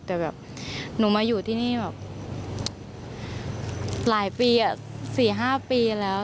แต่หนูมาอยู่ที่นี่หลายปีสี่ห้าปีแล้ว